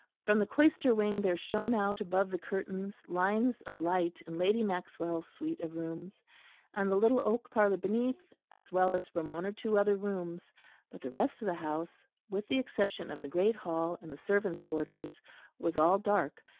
From the cloister wing there shone out above the curtains lines of light in Lady Maxwell's suite of rooms, and the little oak parlour beneath, as well as from one or two other rooms; but the rest of the house, with the exception of the great hall and the servants' quarters, was all dark.